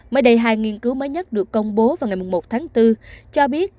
mới đây hai nghiên cứu mới nhất được công bố vào ngày một tháng bốn cho biết